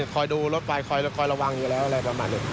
คอยดูรถไฟคอยระวังอยู่แล้วอะไรประมาณนี้